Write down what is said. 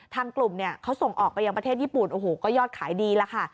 ทางกลุ่มเนี่ยเขาส่งออกไปยังประเทศญี่ปุ่นโอ้โหก็ยอดขายดีแล้วค่ะ